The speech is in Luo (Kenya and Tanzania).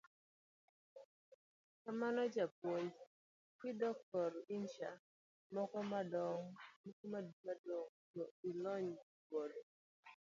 Kamano japuonj, kidok kor insha, moko modong' to alony godo.